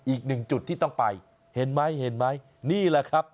อีกหนึ่งจุดที่ต้องไปเห็นไหมเห็นไหมนี่แหละครับ